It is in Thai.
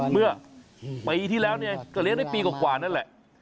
เมื่อปีที่แล้วก็เลี้ยงได้ปีกว่านั่นแหละ